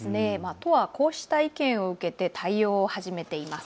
都はこうした意見を受けて対応を始めています。